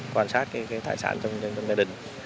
quan sát cái tài sản trong gia đình